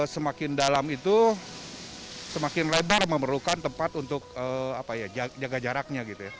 semakin dalam itu semakin lebar memerlukan tempat untuk jaga jaraknya